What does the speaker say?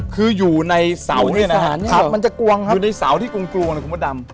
คืออยู่ในเสานี่น่ะครับมันจะกวงครับอยู่ในเสาที่กวงกวงน่ะคุณพระดำ